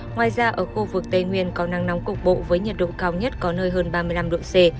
ngoài ra ở khu vực tây nguyên có nắng nóng cục bộ với nhiệt độ cao nhất có nơi hơn ba mươi năm độ c